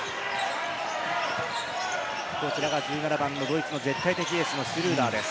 こちらがドイツの絶対的エースのシュルーダーです。